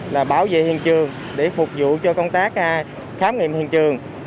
là bảo vệ hiện trường để phục vụ cho công tác khám nghiệm hiện trường